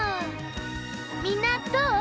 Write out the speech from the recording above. みんなどう？